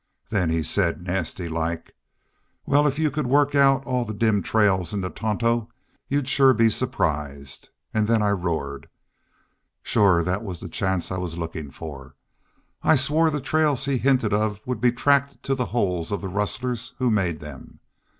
Then he said, nasty like, 'Wal, if you could work out all the dim trails in the Tonto you'd shore be surprised.' An' then I roared. Shore that was the chance I was lookin' for. I swore the trails he hinted of would be tracked to the holes of the rustlers who made them.